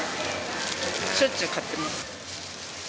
しょっちゅう買ってます。